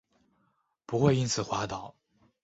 不会因此滑倒